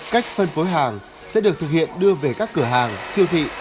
cách phân phối hàng sẽ được thực hiện đưa về các cửa hàng siêu thị